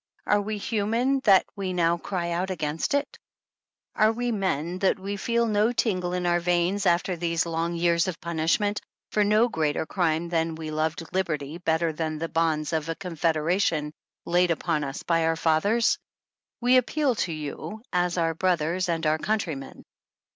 Are we human that we now cry out against it ? Are we men that we feel no tingle in our veins after these long years of punishment for no greater crime than that we loved^liberty better than the bonds of a confederation laid upon us by our fathers ? We appeal to you as our brothers and our country men.